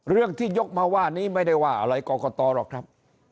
เรื่องที่ยกมาว่านี้ไม่ได้ว่าอะไรกรกตหรอกครับ